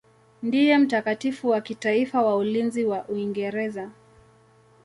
Ndiye mtakatifu wa kitaifa wa ulinzi wa Uingereza.